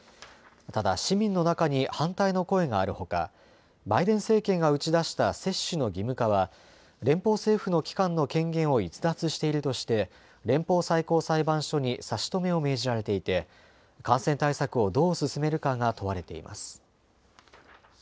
ただ、市民の中に反対の声があるほかバイデン政権が打ち出した接種の義務化は連邦政府の機関の権限を逸脱しているとして連邦最高裁判所に差し止めを命じられていて感染対策をどう進めるかが問われています。